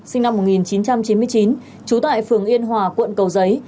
sinh năm một nghìn chín trăm chín mươi chín trú tại phường yên hòa quận cầu giấy